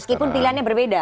meskipun pilihannya berbeda